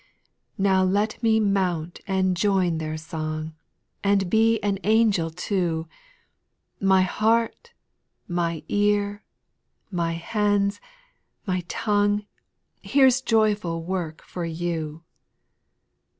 5. Now let me mount and join their song, And be an anojel too : My heart, my ear, my hand, my tongue, Here's joyful work for you.